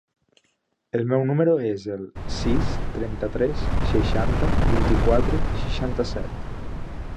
El meu número es el sis, trenta-tres, seixanta, vint-i-quatre, seixanta-set.